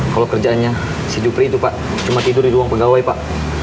kalau kerjaannya sejupri itu pak cuma tidur di ruang pegawai pak